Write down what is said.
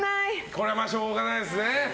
これはしょうがないですね。